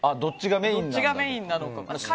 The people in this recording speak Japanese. どっちがメインなのか。